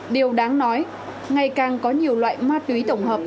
điều đáng nói ngày càng có nhiều loại ma túy tổng hợp